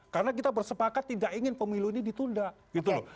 karena kita bersepakat tidak ingin pemilu ini ditunda gitu loh